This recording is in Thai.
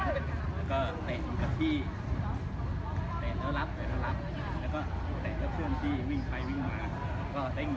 ดูเชื่อว่าที่โรงเรียนเขาเรียกของอย่างนึงโตสเซอล